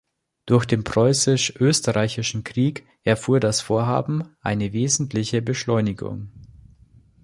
Durch den Preußisch-Österreichischen Krieg erfuhr das Vorhaben eine wesentliche Beschleunigung.